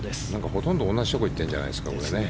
ほとんど同じところに行ってるんじゃないですかね。